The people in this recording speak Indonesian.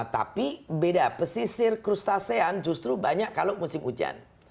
tapi beda pesisir krustasean justru banyak kalau musim hujan